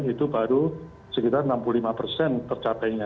itu baru sekitar enam puluh lima persen tercapainya